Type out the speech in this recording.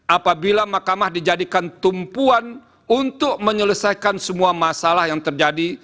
apabila mahkamah dijadikan tumpuan untuk menyelesaikan semua masalah yang terjadi